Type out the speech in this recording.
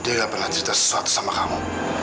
dia gak pernah cerita sesuatu sama kamu